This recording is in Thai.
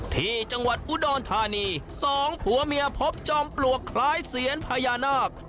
ที่จังหวัดอุดรธานีสองผัวเมียพบจอมปลวกคล้ายเซียนพญานาค